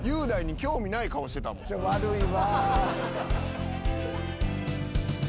悪いわぁ。